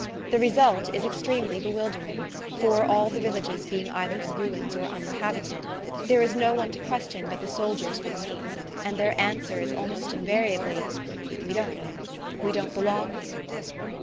The result is extremely bewildering, for, all the villages being either in ruins or uninhabited, there is no one to question but the soldiers one meets, and their answer is almost invariably "We don't know we don't belong here."